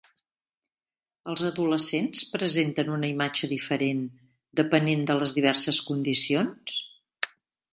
Els adolescents presenten una imatge diferent depenent de les diverses condicions?